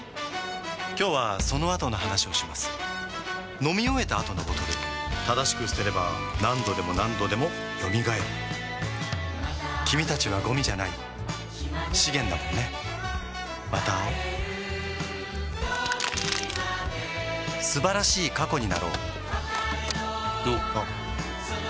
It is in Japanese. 今日はそのあとの話をします飲み終えた後のボトル正しく捨てれば何度でも何度でも蘇る君たちはゴミじゃない資源だもんねまた会おう素晴らしい過去になろうおっおっ